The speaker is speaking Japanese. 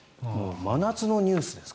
真夏のニュースです。